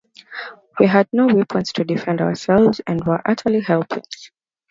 We had no weapons to defend ourselves and were utterly helpless.